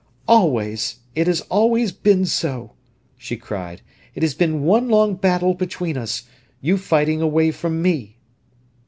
"Always—it has always been so!" she cried. "It has been one long battle between us—you fighting away from me."